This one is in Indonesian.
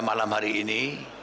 malam hari ini